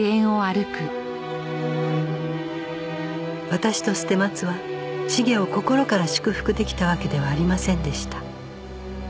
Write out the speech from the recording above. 私と捨松は繁を心から祝福できたわけではありませんでした